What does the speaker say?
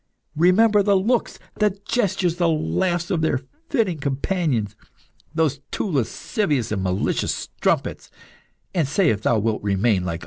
Remember the looks, the gestures, the laughs of their fitting companions, those two lascivious and malicious strumpets, and say if thou wilt remain like unto them."